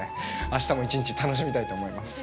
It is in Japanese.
あしたも一日、楽しみたいと思います。